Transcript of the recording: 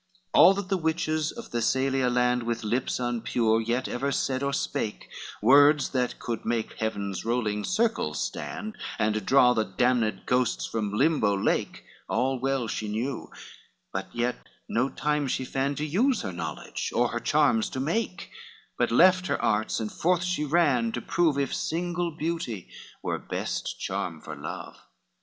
XXXVII All what the witches of Thessalia land, With lips unpure yet ever said or spake, Words that could make heaven's rolling circles stand, And draw the damned ghosts from Limbo lake, All well she knew, but yet no time she fand To use her knowledge or her charms to make, But left her arts, and forth she ran to prove If single beauty were best charm for love.